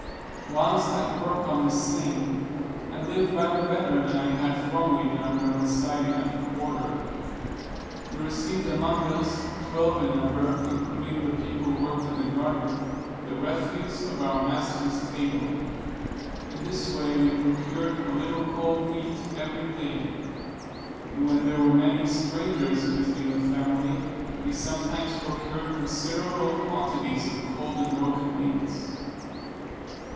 While at work on this seine, I lived rather better than I had formerly done when residing at the quarter. We received among us twelve in number, including the people who worked in the garden the refuse of our master's table. In this way we procured a little cold meat every day; and when there were many strangers visiting the family, we sometimes procured considerable quantities of cold and broken meats.